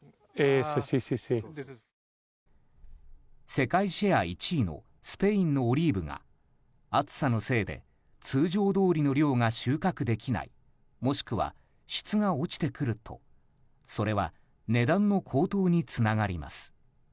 世界シェア１位のスペインのオリーブが暑さのせいで通常どおりの量が収穫できないもしくは質が落ちてくるとそれは値段の高騰につながります。